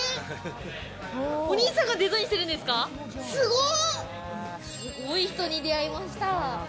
すごい人に出会いました。